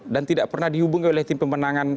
dan tidak pernah dihubungkan oleh tim pemenangan